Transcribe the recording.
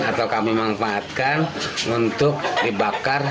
atau kami manfaatkan untuk dibakar